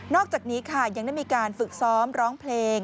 อกจากนี้ค่ะยังได้มีการฝึกซ้อมร้องเพลง